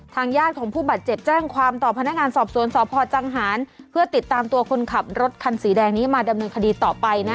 ญาติของผู้บาดเจ็บแจ้งความต่อพนักงานสอบสวนสพจังหารเพื่อติดตามตัวคนขับรถคันสีแดงนี้มาดำเนินคดีต่อไปนะ